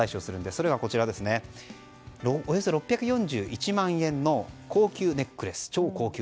それが、およそ６４１万円の超高級ネックレスですね。